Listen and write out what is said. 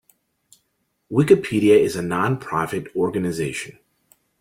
Wikipedia is a non-profit organization.